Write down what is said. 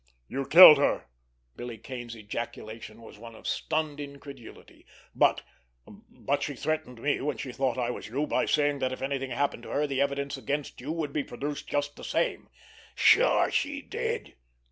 "You killed her!" Billy Kane's ejaculation was one of stunned incredulity. "But—but she threatened me, when she thought I was you, by saying that if anything happened to her the evidence against you would be produced just the same." "Sure, she did!"